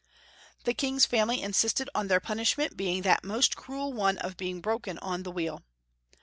The King's family insisted on Albrecht. 207 their punishment being that most cruel one of being broken on the wheel.